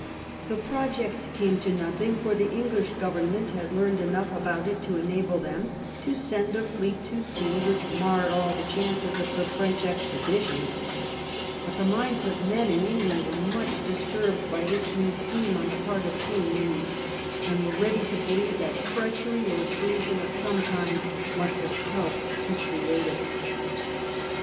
The project came to nothing, for the English government had learned enough about it to enable them to send a fleet to sea which marred all the chances of the French ex pedition ; but the minds of men in England were much disturbed by this new scheme on the part of King Louis, and were ready to believe that treachery or treason of some kind must have helped to create it.